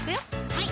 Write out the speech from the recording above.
はい